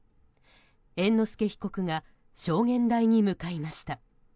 猿之助被告が証言台に向かいました。